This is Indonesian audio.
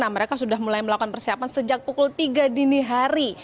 mereka sudah mulai melakukan persiapan sejak pukul tiga dini hari